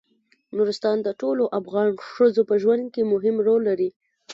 نورستان د ټولو افغان ښځو په ژوند کې مهم رول لري.